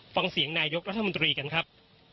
ฟังเสียงนายกรัฐมนตรีกันครับ